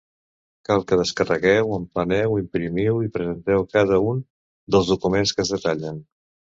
Cal que descarregueu, empleneu, imprimiu i presenteu cada un dels documents que es detallen.